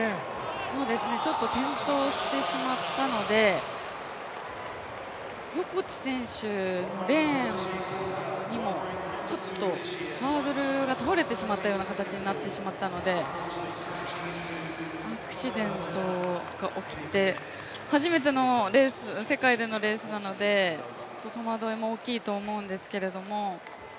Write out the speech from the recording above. ちょっと転倒してしまったので、横地選手のレーンにもちょっとハードルが倒れてしまったような形になったので、アクシデントが起きて初めての世界でのレースなので戸惑いも大きいと思うんですけど。